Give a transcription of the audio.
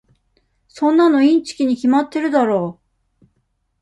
そんなのインチキに決まってるだろ。